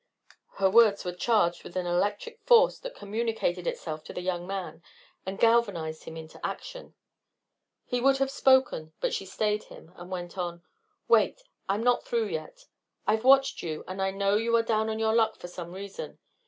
Her words were charged with an electric force that communicated itself to the young man and galvanized him into action. He would have spoken, but she stayed him, and went on: "Wait; I'm not through yet. I've watched you, and I know you are down on your luck for some reason.